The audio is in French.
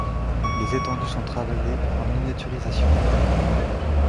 Les étendues sont travaillées en miniaturisation.